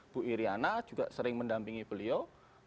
bu iryana juga sering mendampingi beliau